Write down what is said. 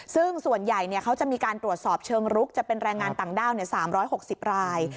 ซึ่งส่วนใหญ่เขาจะมีการตรวจสอบเชิงรุกจะเป็นแรงงานต่างด้าว๓๖๐ราย